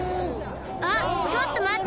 あっちょっとまって！